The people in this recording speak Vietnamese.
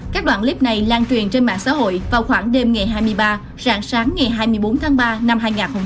các đoạn clip này lan truyền trên mạng xã hội vào khoảng đêm ngày hai mươi ba rạng sáng ngày hai mươi bốn tháng ba năm hai nghìn hai mươi